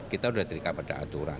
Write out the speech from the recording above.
kita sudah terikat pada aturan